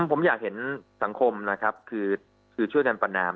ผมอยากเห็นสังคมนะครับคือช่วยกันประนาม